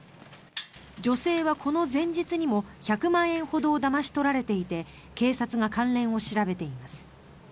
女性はこの前日にも１００万円ほどをだまし取られていて警察が関連を調べています。